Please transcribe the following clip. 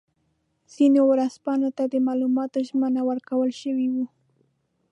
ځینو ورځپاڼو ته د معلوماتو ژمنه ورکړل شوې وه.